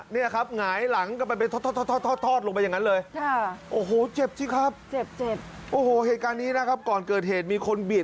ได้รับบัตรเจ็บเกือบ๓๐คนนะครับ